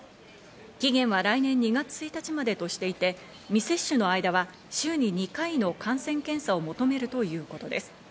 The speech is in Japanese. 期限は来年２月１日までとしていて、未接種の間は週に２回の感染検査を求めるということです。